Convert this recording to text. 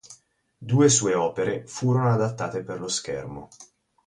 Due sue opere furono adattate per lo schermo.